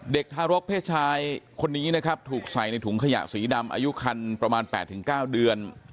เด็กทารกเพชรชายคนนี้ถูกใส่ในถุงขยะสีดำอายุคันประมาณ๘๙เดือน